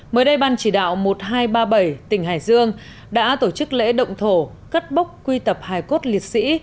mới đây ban chỉ đạo một nghìn hai trăm ba mươi bảy tỉnh hải dương đã tổ chức lễ động thổ cất bốc quy tập hải cốt liệt sĩ